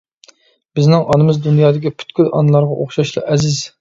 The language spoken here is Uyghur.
بىزنىڭ ئانىمىز دۇنيادىكى پۈتكۈل ئانىلارغا ئوخشاشلا ئەزىز.